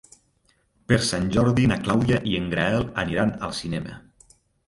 Per Sant Jordi na Clàudia i en Gaël aniran al cinema.